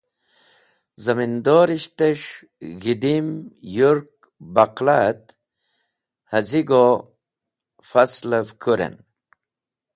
Zamindorishtes̃h g̃hidim, yũrk, baqla et haz̃igoh faslev kũren.